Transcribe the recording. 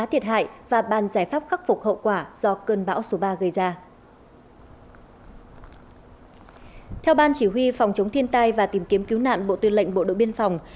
theo ban chỉ huy phòng chống thiên tai và tìm kiếm cứu nạn bộ tư lệnh bộ đội biên phòng